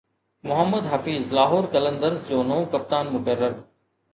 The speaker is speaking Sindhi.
محمد حفيظ لاهور قلندرز جو نئون ڪپتان مقرر